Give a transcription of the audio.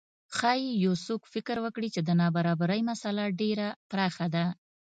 ښايي یو څوک فکر وکړي چې د نابرابرۍ مسئله ډېره پراخه ده.